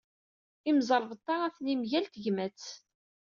Imẓerbeḍḍa atni mgal tegmat.